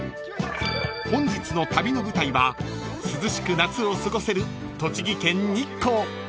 ［本日の旅の舞台は涼しく夏を過ごせる栃木県日光］